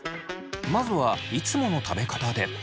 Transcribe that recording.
まずはいつもの食べ方で。